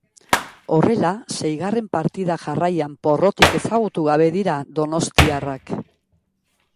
Horrela, seigarren partida jarraian porrotik ezagutu gabe dira donostiarrak.